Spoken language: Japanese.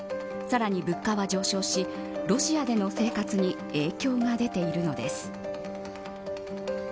さらに物価は上昇しロシアでの生活に影響が出ているのです。